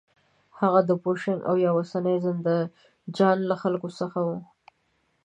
هغه د پوشنګ او یا اوسني زندهجان له خلکو و.